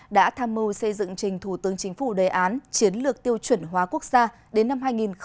đã tham mưu xây dựng trình thủ tướng chính phủ đề án chiến lược tiêu chuẩn hóa quốc gia đến năm hai nghìn ba mươi